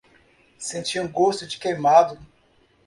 Senti um gosto de queimado